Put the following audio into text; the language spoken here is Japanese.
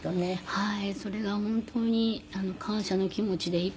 はい。